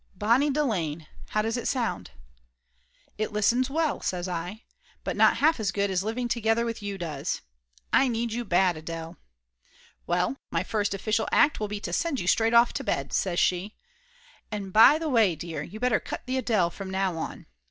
Bonnie Delane. How does it listen?" "It listens well," says I. "But not half as good as living together with you does. I need you bad, Adele." "Well, my first official act will be to send you straight off to bed," says she. "And by the way, dear, you better cut the Adele from now on.